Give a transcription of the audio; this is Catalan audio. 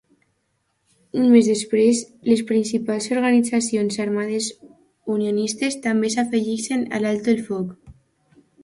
Un mes després, les principals organitzacions armades unionistes també s'afegeixen a l'alto el foc.